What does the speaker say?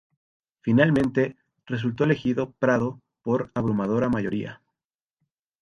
Finalmente, resultó elegido Prado por abrumadora mayoría.